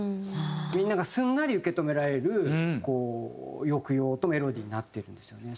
みんながすんなり受け止められる抑揚とメロディーになってるんですよね。